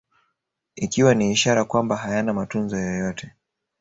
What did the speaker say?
Ikiwa ni ishara kwamba hayana matunzo yoyote